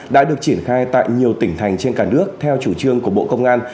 đã được triển khai tại nhiều tỉnh thành trên cả nước theo chủ trương của bộ công an